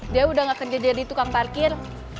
dia udah gak kerja jadi tukang parkir